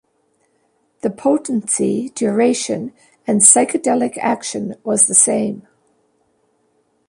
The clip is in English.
The potency, duration, and psychedelic action was the same.